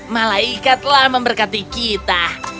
malaikatlah memberkati kita